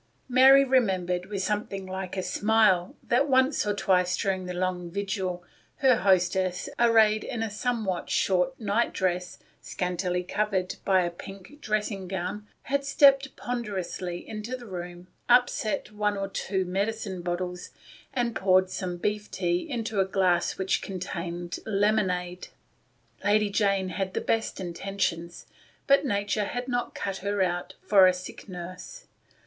Mary remembered, with something like a smile, that once or twice during that long vigil, her hostess, arrayed in a somewhat short nightdress scantily covered by a pink woollen shawl, had stepped ponderously into the room, upset one or two medicine bottles, and poured some beef tea into a glass which contained lemonade. Lady Jane had the best intentions, but nature had not cut her out for a sick nurse.